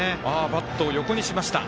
バットを横にしました。